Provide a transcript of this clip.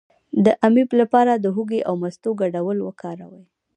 د امیب لپاره د هوږې او مستو ګډول وکاروئ